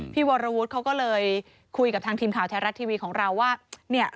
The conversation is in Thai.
วรวุฒิเขาก็เลยคุยกับทางทีมข่าวแท้รัฐทีวีของเราว่าเนี่ย